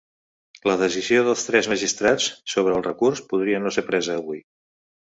La decisió dels tres magistrats sobre el recurs podria no ser presa avui.